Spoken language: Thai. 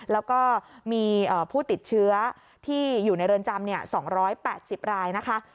แล้วก็มีผู้ติดเชื้อที่อยู่ในเรือนจำ๒๘๐รายนะคะ